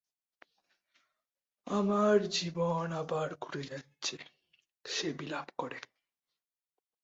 আমার জীবন আবার ঘুরে যাচ্ছে, সে বিলাপ করে।